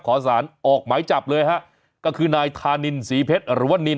ขอสารออกหมายจับเลยฮะก็คือนายธานินศรีเพชรหรือว่านิน